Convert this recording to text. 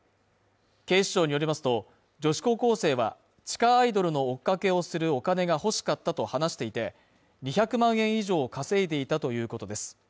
警視庁によりますと、女子高校生は地下アイドルの追っかけをするお金が欲しかったと話していて、２００万円以上を稼いでいたということです。